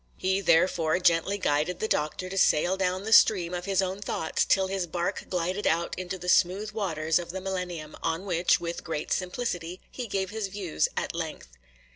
He therefore gently guided the Doctor to sail down the stream of his own thoughts till his bark glided out into the smooth waters of the Millennium, on which, with great simplicity, he gave his views at length.